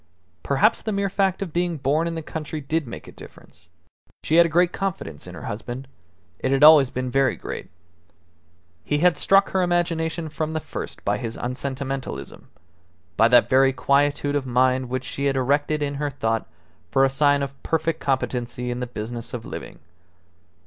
Perhaps the mere fact of being born in the country did make a difference. She had a great confidence in her husband; it had always been very great. He had struck her imagination from the first by his unsentimentalism, by that very quietude of mind which she had erected in her thought for a sign of perfect competency in the business of living.